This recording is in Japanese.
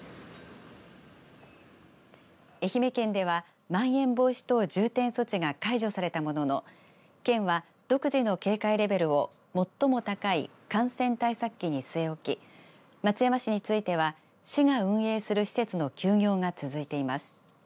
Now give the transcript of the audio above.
愛媛県ではまん延防止等重点措置が解除されたものの県は独自の警戒レベルを最も高い感染対策期に据え置き松山市については、市が運営する施設の休業が続いています。